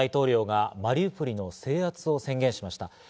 プーチン大統領がマリウポリの制圧を宣言しました。